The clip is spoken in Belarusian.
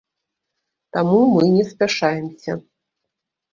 Таму мы не спяшаемся.